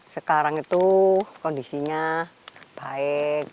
sekarang itu kondisinya baik